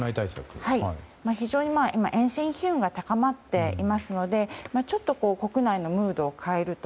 非常に今厭戦機運が高まっていますのでちょっと国内のムードを変えると。